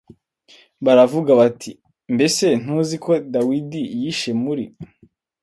baravuga bati Mbese ntuzi ko Dawidi yihishe muri